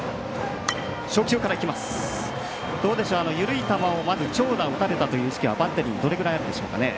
緩い球をまず長打を打たれたという意識はバッテリーどれぐらいあるでしょうか。